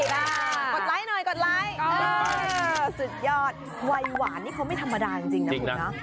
กดไลค์หน่อยกดไลค์สุดยอดวัยหวานนี่เขาไม่ธรรมดาจริงนะคุณเนาะ